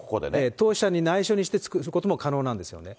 投資者に内緒にして作ることも可能なんですよね。